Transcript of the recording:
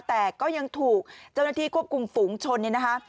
แต่ก็ยังถูกเจ้าหน้าที่ควบคุมฝูงชนเนี่ยนะคะ